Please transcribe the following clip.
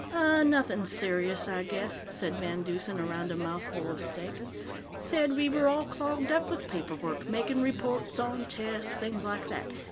"Ahhh, nothing serious, I guess," said VanDeusen, around a mouthful of steak. "Said we were all clogged up with paper work, makin' reports on tests, things like that.